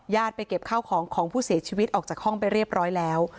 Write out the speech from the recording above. ไปเก็บข้าวของของผู้เสียชีวิตออกจากห้องไปเรียบร้อยแล้ว